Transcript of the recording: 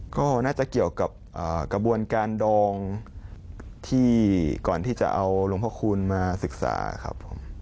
ก็น่าจะเกี่ยวกับกระบวนการดองที่ก่อนที่จะเอาหลวงพระคูณมาศึกษาครับผม